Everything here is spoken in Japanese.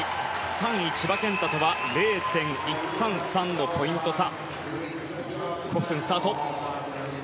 ３位、千葉健太とは０．１３３のポイント差。